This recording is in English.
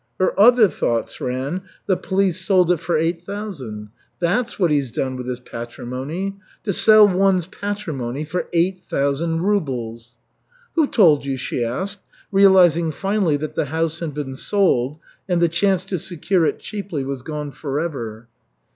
Her other thoughts ran: "The police sold it for eight thousand. That's what he's done with his patrimony. To sell one's patrimony for eight thousand rubles!" "Who told you?" she asked, realizing finally that the house had been sold and the chance to secure it cheaply was gone forever.